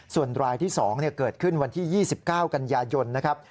ส่วนรายที่๒เกิดขึ้นวันที่๒๙กันยายนนะครับ